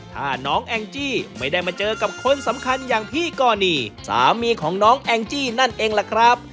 ถ้าน้องแองจี้ไม่ได้มาเจอกับคนสำคัญอย่างพี่กรณีสามีของน้องแองจี้นั่นเองล่ะครับ